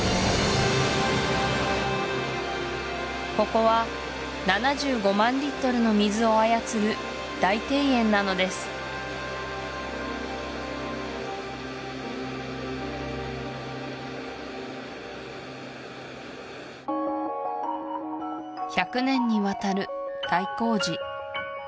ここは７５万リットルの水を操る大庭園なのです１００年にわたる大工事